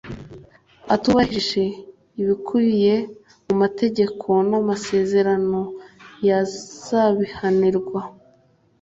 atubahirije ibikubiye mu mategeko n’ amasezerano yazabihanirwa